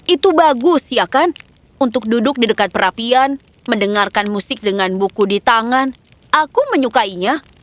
itu bagus ya kan untuk duduk di dekat perapian mendengarkan musik dengan buku di tangan aku menyukainya